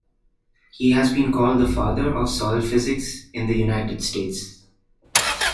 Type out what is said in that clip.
He has been called the father of soil physics in the United States.